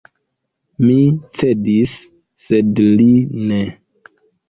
Mi cedis, sed li ne.